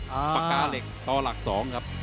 ปากกาเหล็กต่อหลัก๒ครับ